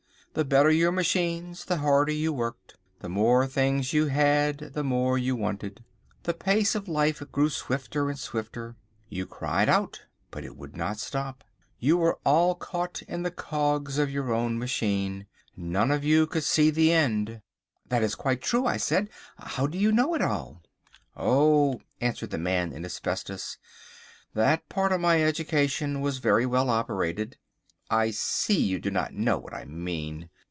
The better your machines, the harder you worked. The more things you had the more you wanted. The pace of life grew swifter and swifter. You cried out, but it would not stop. You were all caught in the cogs of your own machine. None of you could see the end." "That is quite true," I said. "How do you know it all?" "Oh," answered the Man in Asbestos, "that part of my education was very well operated—I see you do not know what I mean.